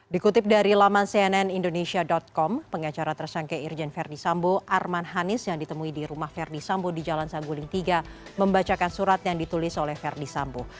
dikutip dari laman cnnindonesia com pengacara tersangka irjen verdi sambo arman hanis yang ditemui di rumah verdi sambo di jalan saguling tiga membacakan surat yang ditulis oleh verdi sambo